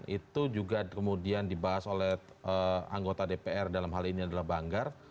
itu juga kemudian dibahas oleh anggota dpr dalam hal ini adalah banggar